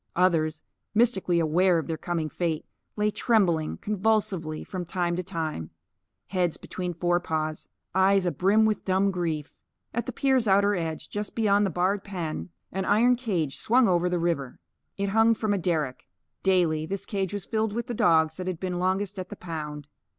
Others, mystically aware of their coming fate, lay, trembling convulsively from time to time; heads between forepaws, eyes abrim with dumb grief. At the pier's outer edge, just beyond the barred pen, an iron cage swung over the river. It hung from a derrick. Daily, this cage was filled with the dogs that had been longest at the pound.